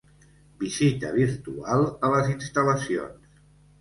Visita virtual a les instal·lacions.